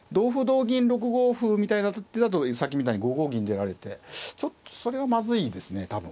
同銀６五歩みたいな手だとさっきみたいに５五銀出られてちょっとそれはまずいですね多分。